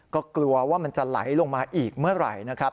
ก็กลัวว่ามันจะไหลลงมาอีกเมื่อไหร่นะครับ